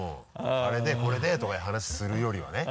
「あれでこれで」とかいう話するよりはね。